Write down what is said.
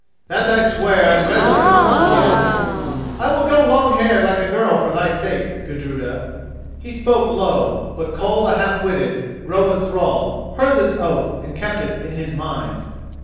"That I swear, and readily," he answered. "I will go long haired like a girl for thy sake, Gudruda." He spoke low, but Koll the Half witted, Groa's thrall, heard this oath and kept it in his mind.